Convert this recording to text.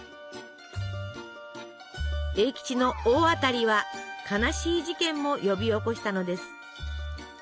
栄吉の「大当たり」は悲しい事件も呼び起こしたのです。